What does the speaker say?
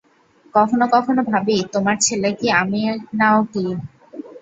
কখনো কখনো ভাবি, তোমার ছেলে কি আমি না-কি ও?